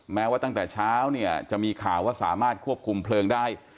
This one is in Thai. แม้ว่าตั้งแต่เช้าเนี่ยจะมีข่าวว่าสามารถควบคุมเพลิงได้